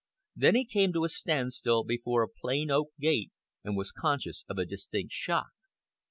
Then he came to a standstill before a plain oak gate and was conscious of a distinct shock.